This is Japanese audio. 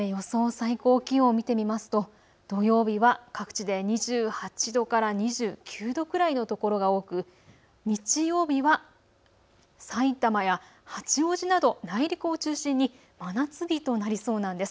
最高気温を見てみますと土曜日は各地で２８度から２９度くらいの所が多く日曜日はさいたまや八王子など内陸を中心に真夏日となりそうなんです。